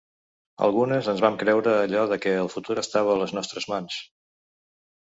Algunes ens vam creure allò de que el futur estava a les nostres mans.